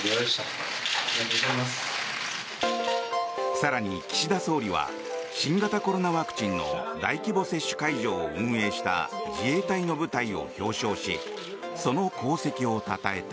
更に、岸田総理は新型コロナワクチンの大規模接種会場を運営した自衛隊の部隊を表彰しその功績をたたえた。